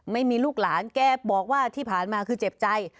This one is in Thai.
ไม่มีลูกหลานแกบอกว่าที่ผ่านมาคือเจ็บใจ